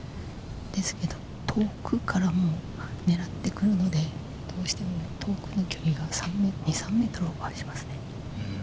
ですけれど遠くからも狙ってくるので、どうしても遠くの距離が２３ｍオーバーしますね。